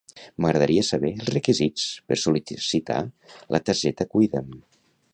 M'agradaria saber els requisits per sol·licitar la targeta Cuida'm.